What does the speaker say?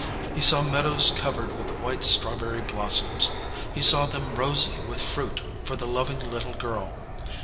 He saw meadows cov ered with white strawberry blossoms ; he saw them rosy with fruit for the loving little girl.